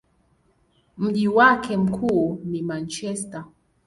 Mji wake mkuu ni Manchester.